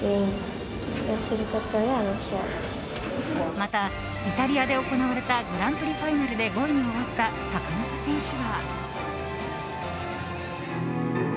また、イタリアで行われたグランプリファイナルで５位に終わった坂本選手は。